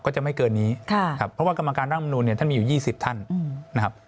ก็จะไม่เกินนี้ครับเพราะว่ากรรมการร่างมนุนเนี่ยท่านมีอยู่๒๐ท่านนะครับ